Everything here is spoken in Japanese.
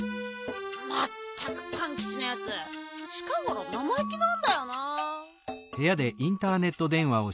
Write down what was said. まったくパンキチのやつちかごろなまいきなんだよな。